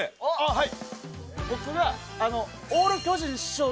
はい。